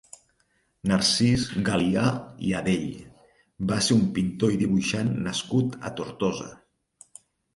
Narcís Galià i Adell va ser un pintor i dibuixant nascut a Tortosa.